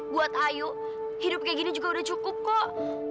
buat ayu hidup kayak gini juga udah cukup kok